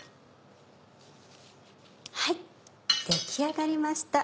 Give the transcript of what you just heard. はい出来上がりました。